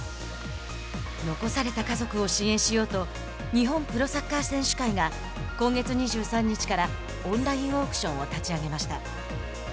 残された家族を支援しようと日本プロサッカー選手会が今月２３日からオンラインオークションを立ち上げました。